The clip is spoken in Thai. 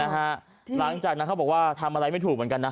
หลังจากนั้นเขาบอกว่าทำอะไรไม่ถูกเหมือนกันนะ